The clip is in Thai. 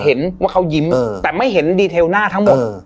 เห็นว่าเขายิ้มแต่ไม่เห็นดีเทลหน้าทั้งหมด